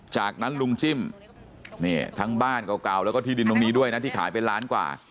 จากนั้นลุงจิ้มทั้งบ้านเก่าแล้วก็ที่ดินตรงนี้ด้วยนะที่ขายเป็นล้านกว่า